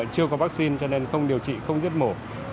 chưa có vaccine cho nên không điều trị không giết mổ